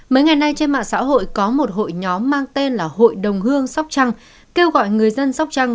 mấy ngày nay trên mạng xã hội có một hội nhóm mang tên là hội đồng hương sóc trăng kêu gọi người dân sóc trăng